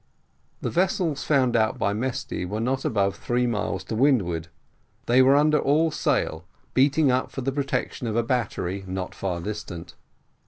The vessels found out by Mesty were not above three miles to windward; they were under all sail, beating up for the protection of a battery not far distant.